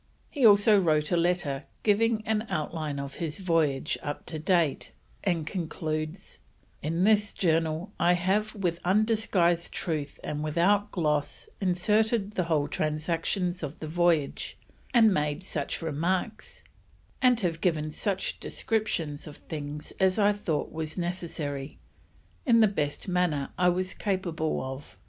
He also wrote a letter giving an outline of his voyage up to date, and concludes: "In this Journal, I have with undisguised Truth and without gloss, inserted the whole transactions of the Voyage, and made such remarks and have given such descriptions of things as I thought was necessary, in the best manner I was capable of.